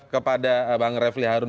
kepada bang refli harun